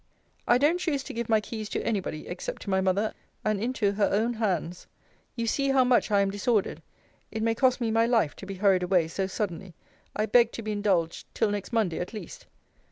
I don't choose to give my keys to any body, except to my mother, and into her own hands. You see how much I am disordered. It may cost me my life, to be hurried away so suddenly. I beg to be indulged till next Monday at least.